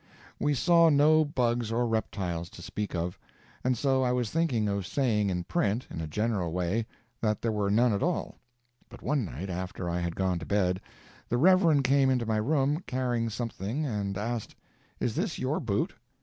We saw no bugs or reptiles to speak of, and so I was thinking of saying in print, in a general way, that there were none at all; but one night after I had gone to bed, the Reverend came into my room carrying something, and asked, "Is this your boot?"